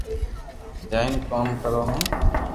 جائين ڪوم ڪرو ھون